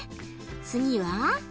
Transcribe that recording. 次は。